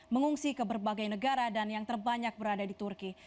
mengungsi ke berbagai negara dan yang terbanyak berada di turki